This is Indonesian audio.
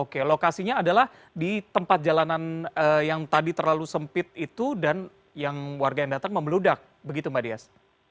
oke lokasinya adalah di tempat jalanan yang tadi terlalu sempit itu dan yang warga yang datang membeludak begitu mbak dias